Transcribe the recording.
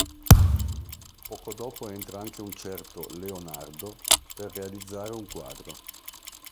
Poco dopo entra anche un certo "Leonardo", per realizzare un quadro...